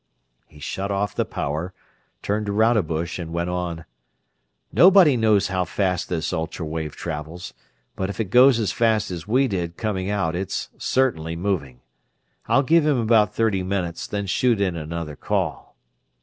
He shut off the power, turned to Rodebush, and went on: "Nobody knows how fast this ultra wave travels, but if it goes as fast as we did coming out it's certainly moving. I'll give him about thirty minutes, then shoot in another call."